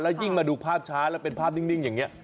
ยิ่งมาดูภาพช้าแล้วเป็นภาพนิ่งอย่างนี้